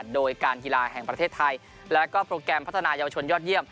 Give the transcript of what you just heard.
โดยการกีฬาแห่งประเทศไทยแล้วก็โปรแกรมพัฒนายาวชนยอดเยี่ยม